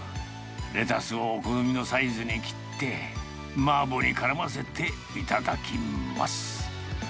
レタスをお好みのサイズに切ってマーボーにからませて頂ます。